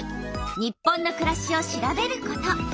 「日本のくらし」を調べること。